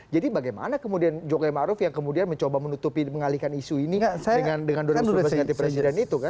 jadi bagaimana kemudian jokowi maruf yang kemudian menutupi mengalihkan isu ini dengan donat surabaya si nanti presiden itu kan